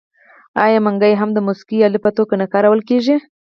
آیا منګی هم د موسیقۍ الې په توګه نه کارول کیږي؟